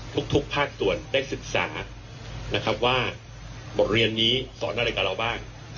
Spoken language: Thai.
ทุกภาคส่วนได้ศึกษานะครับว่าบทเรียนนี้สอนอะไรกับเราบ้าง